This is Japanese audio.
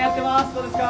どうですか？